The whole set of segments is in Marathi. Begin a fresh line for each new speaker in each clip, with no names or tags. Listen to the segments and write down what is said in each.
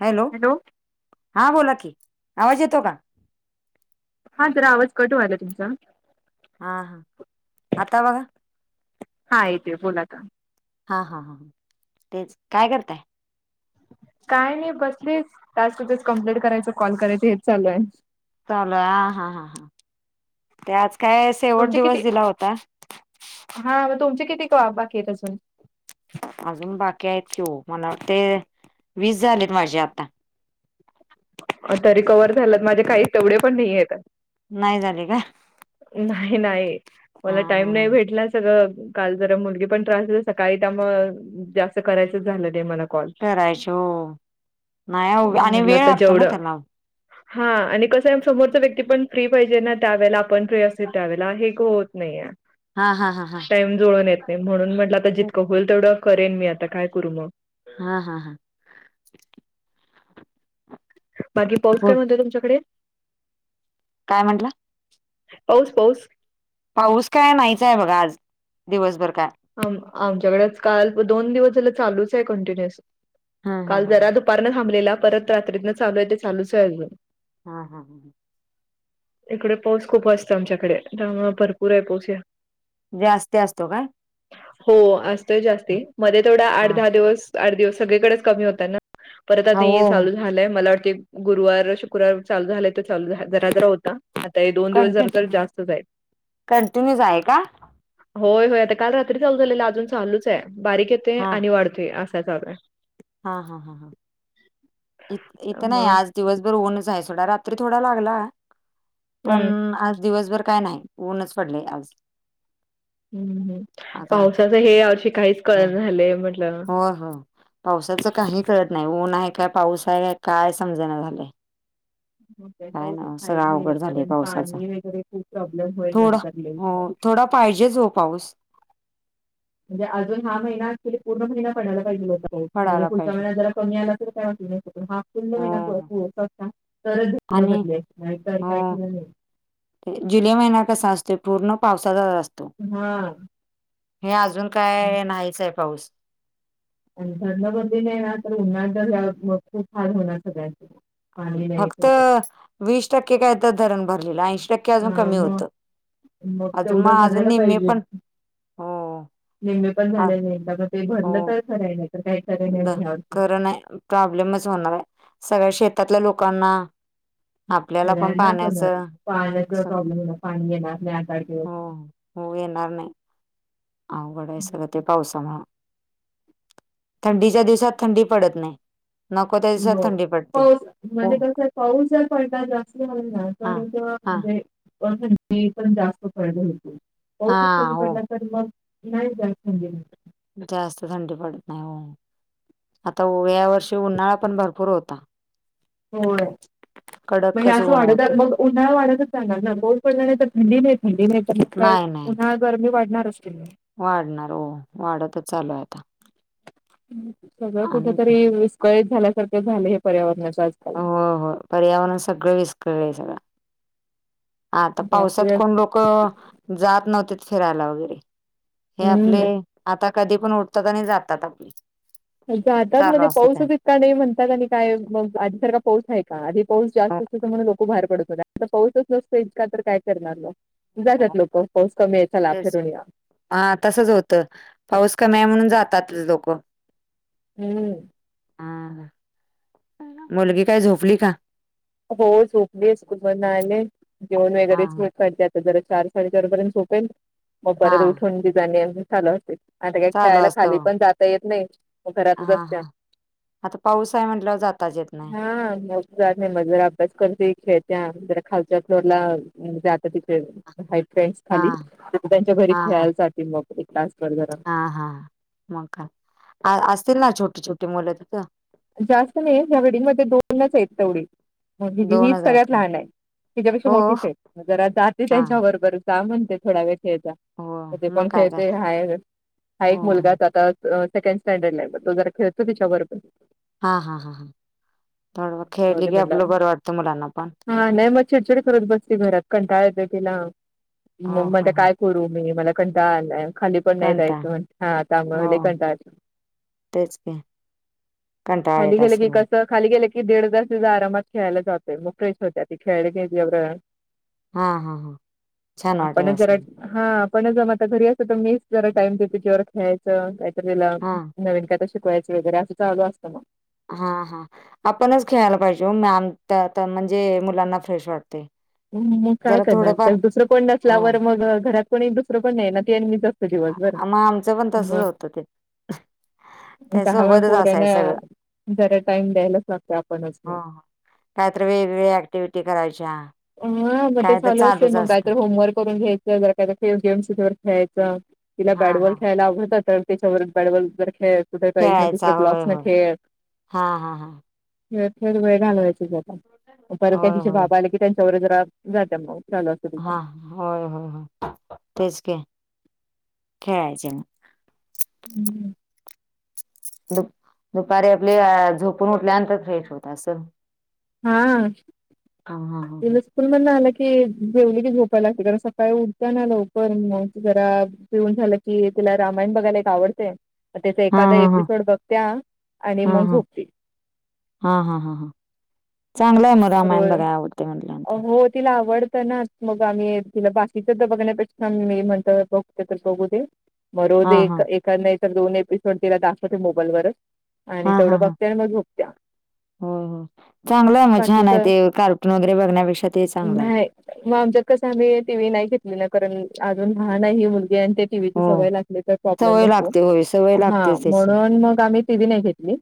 हॅलो हा बोला की आवाज येतो का
हा जरा आवाज कट व्यायलय तुमचा
हा हा आता बघा
हा येते बोलाता
हा हा ह तेच काय करताय
काय नाही बसलीस टास्क तच कम्प्लेट करायचं कॉल करायच हेच चालू आहे
चाल ह हा हां ह ते आज काय शेवट
तुमचे
दिवस
किती
दिला होता
हा म तुमचे किती वा बाकी आहेत अजून
अजून बाकी आहेत की हो मला वाटते वीस झालेत माझे आता,
आता तरी कवर झालंत माझे काही तेवढे पण नाही येत
नाही झाले का
नाही नाही
हा
मला
हा
टाईम नाही
ह
भेटला सगळं काल जरा मुलगी पण त्रास झा सकाळी त्या मग जास्त करायचंच झालं नाही मला कॉल
करायची हो नाही आणि
म्हटलं
वेळ
आता
लागतो ना
जेवढं
त्याला
हा आणि कस समोरचा व्यक्ती पण फ्री पाहिजे ना त्यावेळेला आपण फ्री अस त्यावेळेला हे होत नाहीे
हा हा हा हा
टाईम जुळून येत नाही म्हणून म्हटलं आता जितकं होईल तेवढं करेन मी आता काय करू मग
हा हा हा
बाकी पाऊस
हो
काय म्हणतय तुमच्याकडे
काय म्हंटलं
पाौस पाौस
पाऊस काय नाहीचा आहे बघा आज दिवसभर काय
आमच्याकडे काल दोन दिवस झा चालूच आहे कंटिन्युअस
हा हा
काल
हा
जरा पारं थांबलेला परत रात्रीतं चालू आहे ते चालूच आहे अजून
हा हा हम ह
इकडे पाऊस खूप असतो आमच्याकडे भरपूर आहे पाऊस या
जास्त असतो का?
हो असतोय जास्ती मध्ये थोडा आठ
हा
दहा दिवस- आठ दिवस सगळीकडेच कमी होतात ना परत
हो
आता
हो
चालू झालंय मला वाटतं गुरुवार शुक्रवार चालू झालंय त चालू जरा जरा होता आता हे दोन दिवस
कंटि
जरा तर जास्तच हाय
कंटिन्यूच आहे का?
होय होय आता काल रात्री चालू झाले अजून चालूच आहे बारीक येते
हा
आणि वाढते अस य [unintelligible]
हा हा हा हां इथं नाही
त्यामुळं
आज दिवसभर ऊनच आहे सोडा रात्री थोडा लागला पण
हं.
आज दिवसभर काय नाही ऊनच पडले आज
हम्म
आता
पावसाचं हे या वर्षी काहीच कळण झालेय म्हटलं
हो हो पावसाचं काही कळत नाही ऊन आहे का पाऊस आहे का काय समजना झालंय
हो ब
काय
तर
ना सगळं
फाहिजे
अवघड झालंय
कारण
पावसाचा
पाणी वगैरे खूप प्रॉब्लेम होईल
थोडा
नंतर ले
हो थोडा पाहिजेच हो पाऊस
म्हणज अजून हा महिना क्युली पूर्ण महिना पणायला पाहिजे होता म्हणजे
पडायला
पुढचा
पाहिजे
महि्या जरा कमी आला नाही ह [unintelligible] प
हो
महि शता तरच
आणि
बदले नाही तर काय ठलं नाही [unintelligible]
ते जुलै महिना कसा असतो, पूर्ण पावसाचा असतोय.
हां,
हे अजून काय नाहीच आहे पाऊस.
आणि धरण बंदली नाही ना तर उन्हाळ द खूप फार होणार सगळ्यांच [unintelligible]
फक्त वीस टक्के काय तर धरण भरलेलं ऐंशी टक्के अजून
हा
कमी
मग
होत अजून मग अजून नेहमी पण हो
निमे पण
हा
झाले नाही म ते भरलं तर खरय नाही काही खरे नाही
ब
मग यावर्षी
खरं नाही प्रॉब्लेमच होणार आहे सगळ्या शेतातल्या लोकांना आपल्याला पण
सगळ्यांचा तोच
पाण्याचं
पाण्याचा
स
प्रॉब्लेम,, पाणी एनार नाही आता सात आठ
हो
दिवस
हो,, येणार नाही. अघगड आय सगळ ते पावसामुळे थंडीच्या दिवसात थंडी पडत नाही ह्या दिवसात
हो.
थंडी पडत्या
पाऊस, म्हणजे तस पाऊस जर पडला, जास्त झाला,
हा
पण
हा
ते म्हणजे पण जास्त पडले होतो,,
हा
पाऊसच कमी
हो
पडला तर मग,, नाही जाय म्हज
जास्त थंडी पडत नाही, होय,, आता या वर्षी उन्हाळा पण भरपूर होता.
होय म हे
कडकच
असं
ऊन
वाढतच
होतं
जातय,, मग उन्हाळा वाढतच जाणार ना,, पाऊस पडला नाही तर थंडी नाही,, थंडी नाहीतर प काय
क नाय,, [unintelligible]
पुन्हा गरमी वाढणार असते
वाढणार हो,, वाढतच चालूय आता.
सगळं कुठ
आणि
तरी विस्कळीत झाल्यासारखे झालेय, हे पर्यावरणाच्या
होय, होय. पर्यावरण सगळं विस्कळलंय सगळं आता
जास्तीत
पावसात
जास्त
कोण लोकं, जात नव्हते फिरायला हे
हम्म
आपले,, आता कधी पण उठतात आणि जातात.
जातात
चालू
म्हणजे,,
असतं
पाऊसच
त्यांचं.
इतका नाही म्हणतात, आणि काय म आधीसारखा पाऊस आहे का,, आधी पाऊस
हो,
जास्त असल्या तर म्हणून लोक बाहेर पडत नवते,, आता पाऊसच नसतच का, तर काय करणार लो
हो.
जातात लोक,, पाौस कमी आय,, चाला
तेच
फीरून घ्या.
हा, तसंच होतं,, पाऊस कमी आहे म्हणून जातात लोकं.
हम्म,
हा,,, मुलगी काय झोपली का?
हो,, झोपलीच ति पन,, स्कूल आले घेऊन वगरेच
हां,
जरा चार साडेचारपर्यंत झोपेल,, मग परत
हां.
उठून बी जाणे झालं असतय आता काय
चालू
खेळायला
असतं
खाली
हो.
पण जाता येत नाही. घरातच
हां,
असत्या,,
हां. आता पाऊस आहे म्हटल्यावर जाताच येत नाही.
हां जात नाही, मग जरा अभ्यास करते,, खेळत्या, जरा खालच्या फ्लोरला जात्या तिथे हाईत फ्रेंडस खाली,,
हां,
त्यांच्या घरी
हां, हां.
खेळायसाठी, मग तास भर जरा
हां, हां मग काय? असतील ना छोटी छोटी मुलं तिथं
जास्त नाही,, ह्या बाल्डिंगमध्ये दोनच आहेत तेवढी. ग हीच
दोनच आहेत
सगळ्यात
का
लहान आहे,, हिच्यापेक्षा
हो
मोठीच आहेत,, जरा जाते
हा
त्यांच्याबरोबरच जा म्हणते थोडा वेळ खेळजा,,,
हो
ते
मग
पण
काय का
खेळते हाय, हा
हो
एक
हो
मुलगाच आता सेकंड स्टँडर्ड ला आहे तो,, तो जरा खेळतो तिच्याबरोबर.
हा, हा हा, ह थोडं खेळली
जाऊदे
की
म्हणलं
आपलं बरं वाटतं मुलांना पण.
हा, नाही मग चिडचिड करत बसते घरात,, कंटाळ एतय तिला,,
हो
मग
हो
मनते
हो
काय करू मी,, मला कंटाळा आलाय,, खाली पण नाही
कंटाळ
जायचं,, म्ह हा
हो
त्यामुळे कंटा
तेच की. कंटाळा
खाली
येत
गेलं की
असेल
कसं खाली गेल की दीड तास तिचा आरामात खेळायला जातोय,, मग फ्रेश होते ती, खेळली घेयऽ
हा हां हां छान वाटल
आपणच
अस
जरा
असल.
हा पण जम आता घरी असत तर मीस जरा टाइम द तिच्यावर खेळायचं ला
हा
नवीन कायता शिकवायच वगैरे असं चालू असतं ना
हां हां आपणच खेळायला पाहिजेओ,, मम म्हणजे मुलांना फ्रेश वाटतय.
मग काय करणार, तर दुसरं कोण
हो
नसलावर मग, घरात कोणी दुसरं कोण नाही ना त्यांनीच आसतय दिवास भर
मग आमचं पण तसच होतं ते त्या
दहा वेळ
सोबतच असाय
पोराणा,,
सगळं
जरा टाइम द्यायलाच लागतय, आपणच म
काय तर वेगवेग्या ऍक्टिव्हटी करायच्या
हा मग ते
काय तर
ल असेल
चालूच
मग
असतं.
कायतर होमवर्क करून घ्यायचं जर गेम्स खेळायं तिला
हा हा
बॅटबॉल
हा.
खेळायला आवडत तर त्याच्यावर बॅटबॉल जर खेळायच कुठेही प्रईज न
खेळायचा
दुसरं
होय
ब्लॉक्स न
होय.
ठेत
हा हा हा.
थेर वेळ घालवायची जात परत त्या
होय
तिशी
होय
बाबा आले की त्यांच्या औज्र जाते मगून चाल ल
हा होय होय होय तेच खे खेळायचे ना
हम्म
दु दुपारी आपल्या झोपून उठल्यानंतर फ्रेश होत असं
हा
हा हा हा हां
पण मण नाही आला की जेवली की झोपायला लागते कारण सकाळी उठताना लवकर मग जरा जऊन झालं कि तुला रामायण बघायला एक आवडते मग त्याचा
हा
एखादा
हा हा
एपिसोड बघत्या आणि मग झोपती
हां हां हां हां चांगला आहे मर
रोल हो तिला आवडतं ना मग आम्ही तिला बाकीच्या द बघण्यापेक्ष आम् म्हणत बघते तर बघू दे मग
हा
रोज
हा
एक एका नाही तर दोन एपिसोड तिला दाखवतते मोबाईलवरच आणि तेवढं बघत आणि मग झोकत्या
हो हो चांगलं आहे मग छान
बाकीच
आहे ते कार्टून वगैरे बघण्यापेक्षा ते चांगलं आहे
नाही मग आमच कस आम्ही टी व्ही नाही घेतली ना कारण अजून लहान आहे मुलगी आणि ते टीव्हीची
हो.
सवय लागली तर प्रॉब्लेम
सवय
नको
लागते होय सवय
हा
लागतेच त्याची
म्हणून मग आम्ही ती व नाही घेतली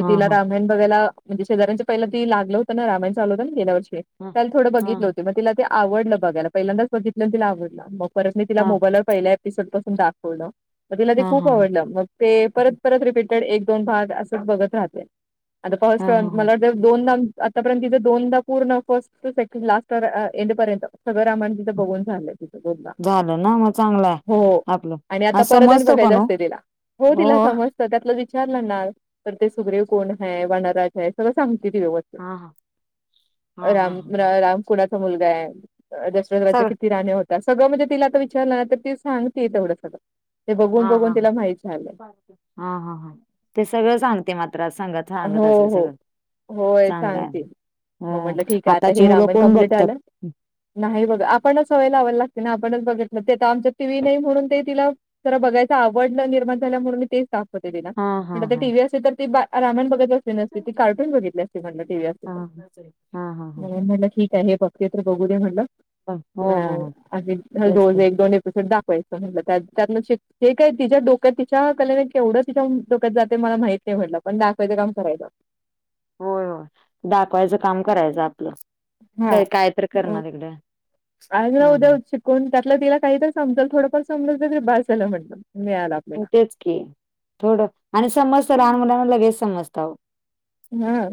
हा
तिला
हा
रामायण बघायला म्हणे शेजऱ्यांच्या पहिला ती लाग होतं ना रामाय चालू होत ना गेल्यार्षी
हा
त्याला थोडं
हा
बघितलं होते मग तिला ते आवडलं बघाला पहिल्यांदाच बघितलं तिला आवडलं मग परत मी तिला
हा
मोबाईलवर पहिल्या एपिसोड पासून दाखवलं म तिला ते
हा
खूप
हा हा.
आवडलं मग ते परत परत रिपीटेड एक दोन भाग अस बघत राहते आता
हा
फस्ट
हा हा
मला दोन ना आतापर्यंत तिथं दोनदा पूर्ण first to second last end पर्यंत सगळ रामाण तिथं बघून झालं
झालं ना मग चांगलं आहे.
हो
आपलं
आणि
हा
आता परत आणि
समजतो पण
बघायचं
हो
असत तिला हो दिला समज त्यात विचारलंणार तर ते सुग्रव कोण आहे वनराज है सगळं सांगते ती व्यवस्था
हा हा हा
राम
हा
राम कुणाचा मुलगा आहे दशरथ राज्या
सगळं
किती राहणे होते सगळं म्हणजे तिला आता विचारलं ना तर ती सांगते तेवढं सगळं ते बघून
हा हा
बघून तिला माहिती झालं
हा हा हा हा ते सगळं सांगते मात्र सांगत सांगत
हो
असेल
हो
सगळं
होय
चांगलं
सांगतील
आहे. ह
मग म्हटलं ठीक आहे आता
आताची
हे
मुलं
रामाण
कोण
कमप्लीट
बघतात
झालं नाही बघ आपणच ह्हायला हवयला लागते ना आपणच बघित ना ते आता आमच्या टी व्ही नाही म्हणून ते तिला जरा बघायच आवड निर्माण झाल्या म्हणून मी तेच सांग त
हा हा
म्हण ते
हा
टी व्ही असे तर ती रामण बघत अस [inaudible] त्या
हा हा हा हा
हे पक्त्र बघू दे म्हटलं
हो
अ
हो हो
अग
तेच
रोज
ते
एक दोन एपिसोड दाखवायच टलं त्यांना शिक हे काय तिच्या डोक्यात तिच्या कलेने केवढं तिच्या डोक्यात जाते मला माहित नाही म्हटलं वंद दाखोयज काम कररायो
होय होय दाखवायचं काम करायचं आपलं
हां.
काय काय तर
अ,
करणार तिकडे ह ह
कोण त्यातलं तिला काहीरी समजाल थोडंफार समजत तरी बा झाला म्हटलं मिळाला
तेच की थोडं आणि समजत लहान मुलांला वेस समजत
हां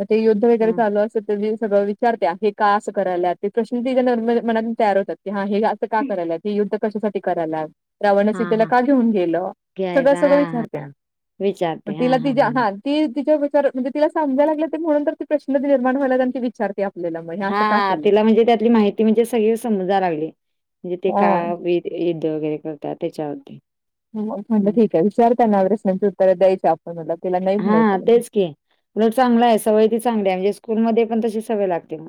म ते युद्ध वेगैरे
हम्म.
चालू आसत त ति सगळं विचारत्या हे का आसं करायला ते प्रश्न तिज्या ल लग मनात तयार होतात. क हा हे असं का करायला हे युद्ध कशासाठी करायला.
हा
रावणसीतेला
हा
का घेऊन गेलं सगळं
घ्यायचा
सगळं
हा हा
विचारत्या
हा.
मग
विचारते हा
तिला ति
हा
जे
हा हा
हाल ती तिच्या विचार म्हणजे तिला समजाय लागलं ते म्हणून तर ति प्रश्न निर्माण वयला आणि ति विचारते आप
हां हा तिला म्हणजे त्यातली माहिती म्हणजे सगळे समजाय लागली म्हणजे ते का
हां,
वेत यद्ध वगैरे करतात त्याच्यावर ते
म्हटलं ठीक आहे विचारताना प्रश्नांची उत्तर द्यायची आपण म्हटलं तिला नाई
हा
म्हणायचं नाही.
तेच की उलट चांगलं आहे सवय ती चांगली आहे म्हणजे स्कूलमध्ये पण तशीस सवय लागते म.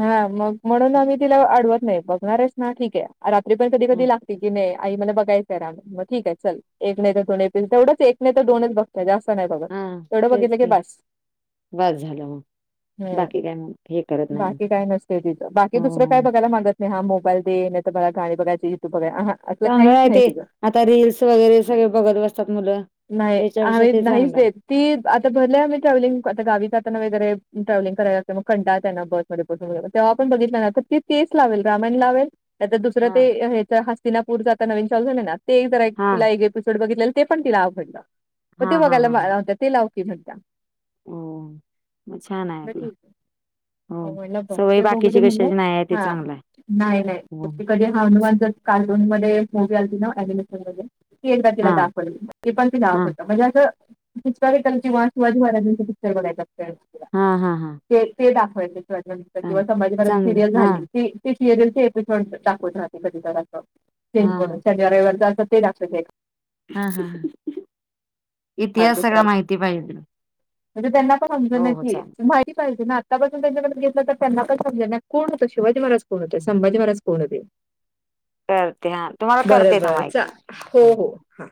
हां मग म्हणून आम्ही तिला आडवत नाही बघणारेस ना ठीक आहे रात्री पण कधी
हं.
कधी लाग की नाही आई मला बघायचं आहे राम म ठिक आहे चल एक नाही त दोन एक नाही त दोनच बघ तत जास्त नाही बघ
हा
तेवढं
तेच
बघितलं की
ते
बास हम्म.
क्या मंग ठिक आहे.
बाकी काय नसतंय तिचं बाकी दुसरं काय
हो
बघायला मागत नाही हा मोबाईल दे नाही त मला गाणी बघायचे युटूब बघाय आहां.
चांगलं आहे ते आता रिल्स वगैरे सगळे बघत बसतात मुलं
नाही
त्याच्यापेक्षा
आम्ही
ते
नाहीच
चांगलं.
देत ती आता भरली आहे आमी ट्रॅव्हलिंग आता गावी जाताना वेगैरे ट्रॅव्हलिंग कराय लागते म कंटाळ त्यांना बस मध्ये बसून जारा तेव्हा पण बघितलं ना तर ति तेच लावेल रामायण लावेल त ते तर दुसरं
हा
ते ह्याच हस्तीिनापूरचं आता नवीन चालू झाल ना ते एक जरा
हा
तिला एक तुकडं बघितलेलं ते पण तिला आवघडलं म ते
हा हा
बघायला
हा
मा
हा
वत्या ते लावते म्हणत्या.
हो मग छान आहे आपलं.
[inaudible]
हो.
म्हणलंत
सवय
ते बघू
बाकीची
दे म्हणलं
कशाची नाही आहे ते
हा
चांगलं आहे.
नाय नाय
हो.
कधी लहान मुलांचं कार्टून मध्ये मूवी आलं ति ना ॲनिमेशन मध्ये? ती एकदा तिला
हां.
दाखवल ते पण तीला
हां.
आवडत म्हणजे असं पिक् वास पिक्चर बघय [unintelligible]
हां हा हा.
ते ते दाखवायचे पर्यंत किंवा संभाजी महाराजांची
चांगलं.
सिरियस झाली
हां.
की ते सिरयल ते एपिसोड दाखवत राहतं कधी जरा आसं चेंज
हां,
म्हणून
हां.
शनिवार रविवार जा असं ते दाखवत.
हा हाहा
हा
इतिहास
दुसरा
सगळा
एक.
माहिती पाहिजे.
म्हणजे त्यांना पण
हो, हो.
म्हमज
चालेल.
[unintelligible] माती पाहिजे ना त्या पासून त्यांच्याकडे घेतलं तर त्यांना पण समजेल ना कोण होतं शिवाजी महाराज कोण होते संभाजी महाराज कोण होते.
करते हां तुम्हाला
बरं
करते
बरं
थांबा एक
चा
मिनि
हो हो हां.